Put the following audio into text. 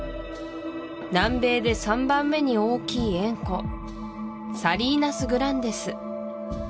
南米で３番目に大きい塩湖サリーナス・グランデス